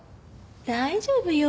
大丈夫よ。